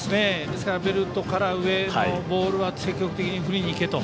ですからベルトから上のボールは積極的に振りにいけと。